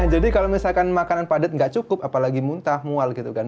kalau misalkan makanan padat nggak cukup apalagi muntah mual gitu kan